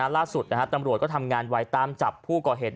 ล่าสุดตำรวจก็ทำงานไว้ตามจับผู้ก่อเหตุ